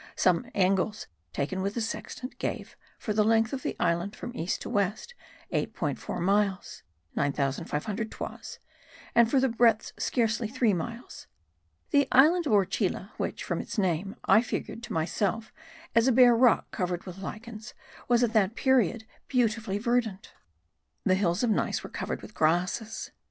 Some angles taken with the sextant gave, for the length of the island from east to west, 8.4 miles (950 toises); and for the breadth scarcely three miles. The island of Orchila which, from its name, I figured to myself as a bare rock covered with lichens, was at that period beautifully verdant. The hills of gneiss were covered with grasses.